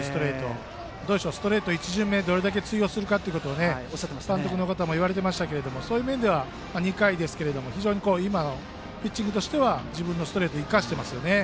１巡目でストレートがどれだけ通用するかが監督の方も言われていましたがそういう面では、２回ですが今のピッチングとしては自分のストレートを生かしていますよね。